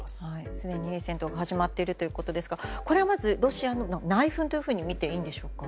すでに戦闘が始まっているということですがこれはまず、ロシアの内紛と見ていいんでしょうか。